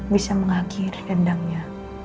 bisa mengakhiri dendamnya